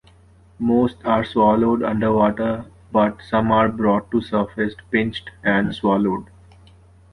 Most are swallowed underwater, but some are brought to the surface, pinched, and swallowed.